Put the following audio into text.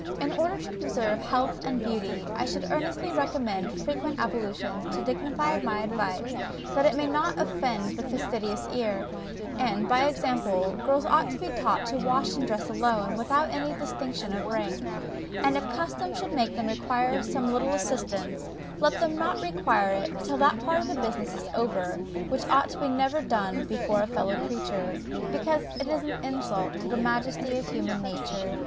In order to preserve health and beauty, I should earnestly recommend frequent ablutions, to dignify my advice that it may not offend the fastidious ear; and, by example, girls ought to be taught to wash and dress alone, without any distinction of rank; and if custom should make them require some little assistance, let them not require it till that part of the business is over which ought never to be done before a fellow creature; because it is an insult to the majesty of human nature.